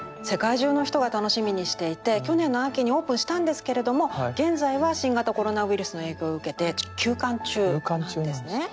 世界中の人が楽しみにしていて去年の秋にオープンしたんですけれども現在は新型コロナウイルスの影響を受けてちょっと休館中なんですね。